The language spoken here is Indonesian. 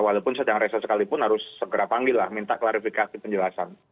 walaupun sedang reses sekalipun harus segera panggillah minta klarifikasi penjelasan